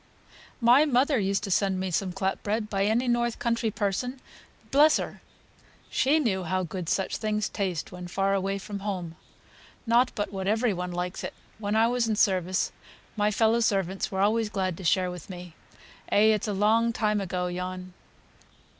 "My mother used to send me some clap bread by any north country person bless her! She knew how good such things taste when far away from home. Not but what every one likes it. When I was in service my fellow servants were always glad to share with me. Eh, it's a long time ago, yon."